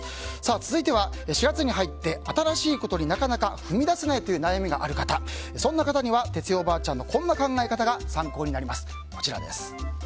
続いては４月に入って新しいことになかなか踏み出せない悩みがある方そんな方には哲代おばあちゃんのこんな考え方が参考になります。